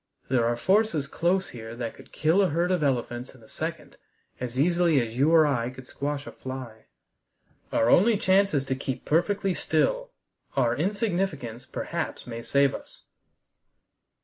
There are forces close here that could kill a herd of elephants in a second as easily as you or I could squash a fly. Our only chance is to keep perfectly still. Our insignificance perhaps may save us."